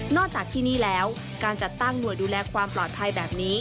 จากที่นี่แล้วการจัดตั้งหน่วยดูแลความปลอดภัยแบบนี้